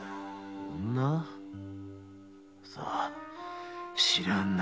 さあ知らんな。